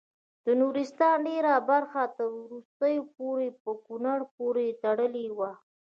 د نورستان ډیره برخه تر وروستیو پورې په کونړ پورې تړلې وه.